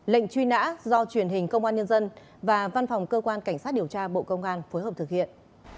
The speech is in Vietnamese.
lệnh truy nã do truyền hình công an nhân dân và văn phòng cơ quan cảnh sát điều tra bộ công an phối hợp thực hiện